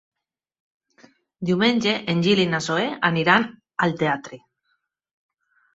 Diumenge en Gil i na Zoè aniran al teatre.